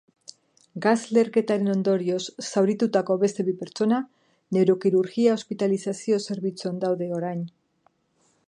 Gas-leherketaren ondorioz zauritutako beste bi pertsona neurokirurgia ospitalizazio zerbitzuan daude orain.